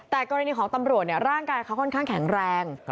แต่กรณีของตำรวจร่างกายเขาค่อนข้างแข็งแรง